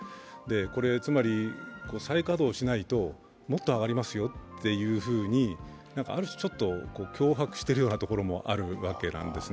つまり再稼働しないともっと上がりますよとある種脅迫しているようなところもあるわけなんですね。